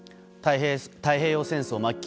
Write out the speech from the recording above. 太平洋戦争末期。